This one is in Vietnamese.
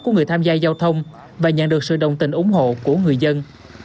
của người tham gia giao thông và nhận được sự đồng tình ủng hộ của người dân